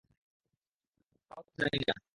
তা-ও তো মা জানি না।